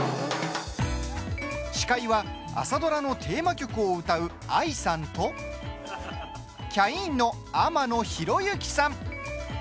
司会は、朝ドラのテーマ曲を歌うＡＩさんとキャインの天野ひろゆきさん。